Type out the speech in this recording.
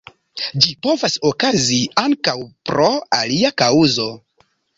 Ĝi povas okazi ankaŭ pro alia kaŭzo.